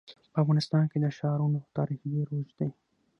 په افغانستان کې د ښارونو تاریخ ډېر اوږد دی.